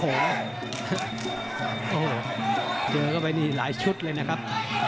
โอ้โหเจอเข้าไปนี่หลายชุดเลยนะครับ